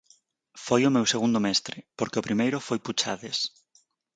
Foi o meu segundo mestre, porque o primeiro foi Puchades.